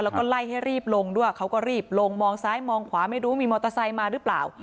แล้วก็ไล่ให้รีบลงด้วยเขาก็รีบลงมองซ้ายมองขวาไม่รู้มีมอเตอร์ไซค์มาหรือเปล่า